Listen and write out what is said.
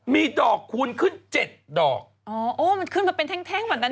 มีดอกคูณขึ้น๗ดอกอ๋อมันขึ้นเป็นแท้งเหมือนกัน